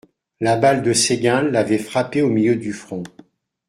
La balle de Séguin l'avait frappé au milieu du front.